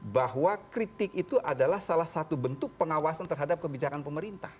bahwa kritik itu adalah salah satu bentuk pengawasan terhadap kebijakan pemerintah